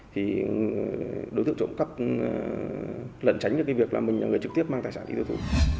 thì đối tượng trộm cắp lần tránh cái việc là người trực tiếp mang tài sản đi tiêu thụ